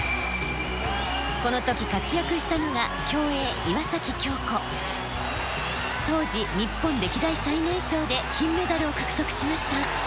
このとき活躍したのが当時日本歴代最年少で金メダルを獲得しました。